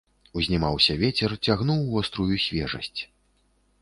Узнімаўся вецер, цягнуў вострую свежасць.